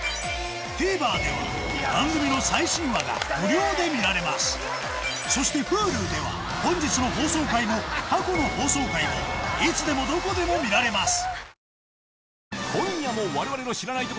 ＴＶｅｒでは番組の最新話が無料で見られますそしてＨｕｌｕでは本日の放送回も過去の放送回もいつでもどこでも見られます